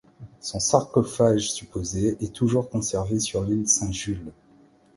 Son sarcophage supposé est toujours conservé sur l'île Saint-Jules.